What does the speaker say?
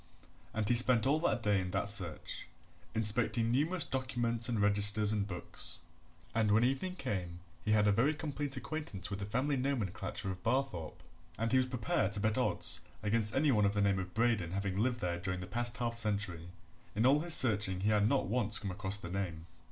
And he spent all that day in that search, inspecting numerous documents and registers and books, and when evening came he had a very complete acquaintance with the family nomenclature of Barthorpe, and he was prepared to bet odds against any one of the name of Braden having lived there during the past half century. In all his searching he had not once come across the name.